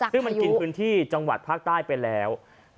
ซึ่งมันกินพื้นที่จังหวัดภาคใต้ไปแล้ว